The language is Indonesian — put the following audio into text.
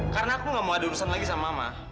karena aku enggak mau ada urusan lagi sama mama